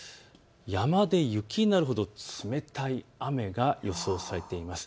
山で雪になるほど冷たい雨が予想されています。